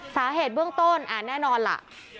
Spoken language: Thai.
สาเหตุเบื้องต้นแน่นอนล่ะ